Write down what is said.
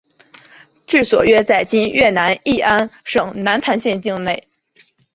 治所约在今越南乂安省南坛县境内。